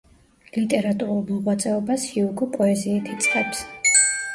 ლიტერატურულ მოღვაწეობას ჰიუგო პოეზიით იწყებს.